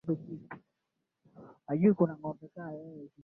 Ni wewe wa kuabudiwa ni wewe.